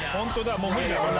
もう無理だ。